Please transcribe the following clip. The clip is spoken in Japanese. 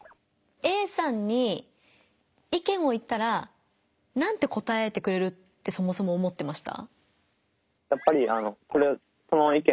Ａさんに意見を言ったら何て答えてくれるってそもそも思ってました？